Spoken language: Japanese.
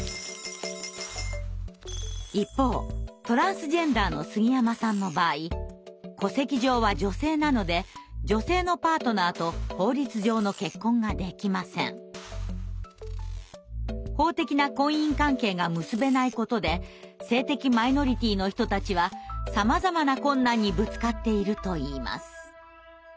一方トランスジェンダーの杉山さんの場合法的な婚姻関係が結べないことで性的マイノリティーの人たちはさまざまな困難にぶつかっているといいます。